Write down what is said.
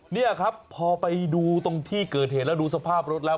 นี่ครับพอไปดูตรงที่เกิดเหตุแล้วดูสภาพรถแล้ว